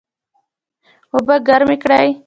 اوبه ګرمې کړئ